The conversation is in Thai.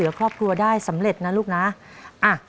น้องป๋องเลือกเรื่องระยะทางให้พี่เอื้อหนุนขึ้นมาต่อชีวิต